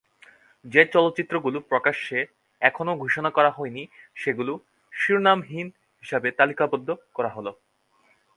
যে চলচ্চিত্রগুলো প্রকাশ্যে এখনও ঘোষণা করা হয়নি সেগুলো "শিরোনামহীন" হিসাবে তালিকাবদ্ধ করা হলো।